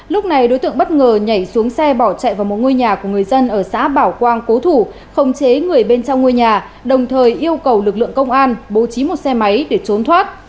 lúc này đối tượng bất ngờ nhảy xuống xe bỏ chạy vào một ngôi nhà của người dân ở xã bảo quang cố thủ không chế người bên trong ngôi nhà đồng thời yêu cầu lực lượng công an bố trí một xe máy để trốn thoát